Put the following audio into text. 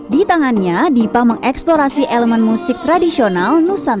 di tangannya dipa mengeksplorasi elemen musik tradisional nusantara